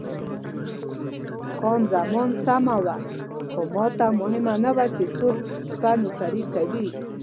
خان زمان سمه وه، خو ماته مهمه نه وه چې څوک شپه نوکري کوي.